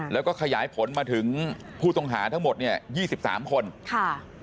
แล้วก็ขยายผลมาถึงผู้ตรงหาทั้งหมดเนี่ย๒๓คนค่ะ